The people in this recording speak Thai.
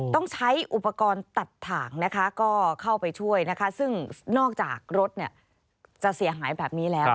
ต้องใช้อุปกรณ์ตัดถ่างนะคะก็เข้าไปช่วยนะคะซึ่งนอกจากรถจะเสียหายแบบนี้แล้ว